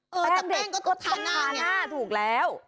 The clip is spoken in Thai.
แป้งเด็กต้องทาหน้าถูกแล้ว